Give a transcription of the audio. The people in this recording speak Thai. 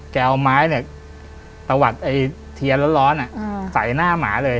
เอาไม้เนี่ยตะวัดไอ้เทียนร้อนใส่หน้าหมาเลย